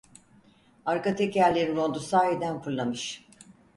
Arka tekerleğin rondu sahiden fırlamış.